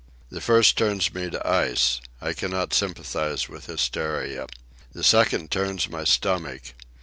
The first turns me to ice. I cannot sympathize with hysteria. The second turns my stomach.